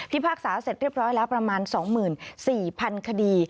พากษาเสร็จเรียบร้อยแล้วประมาณ๒๔๐๐๐คดี